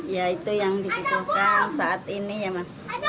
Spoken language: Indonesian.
ya itu yang dibutuhkan saat ini ya mas